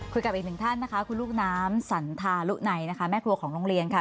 คุยกับอีกหนึ่งท่านนะคะคุณลูกน้ำสันทารุในนะคะแม่ครัวของโรงเรียนค่ะ